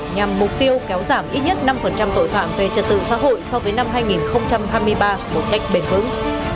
nhằm mục tiêu kéo giảm ít nhất năm tội phạm về trật tự xã hội so với năm hai nghìn hai mươi ba một cách bền vững